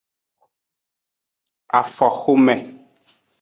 Afoxome.